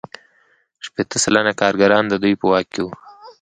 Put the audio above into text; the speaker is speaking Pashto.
شپیته سلنه کارګران د دوی په واک کې وو